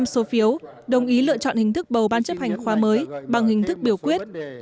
bảy mươi bảy số phiếu đồng ý lựa chọn hình thức bầu ban chấp hành khóa mới bằng hình thức biểu quyết